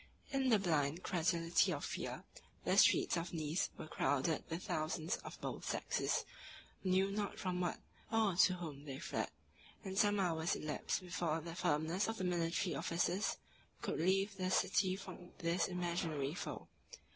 In the blind credulity of fear, the streets of Nice were crowded with thousands of both sexes, who knew not from what or to whom they fled; and some hours elapsed before the firmness of the military officers could relieve the city from this imaginary foe.